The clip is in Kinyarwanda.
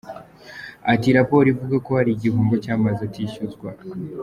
Ati “Raporo ivuga ko hari igihombo cy’amazi atishyuzwa.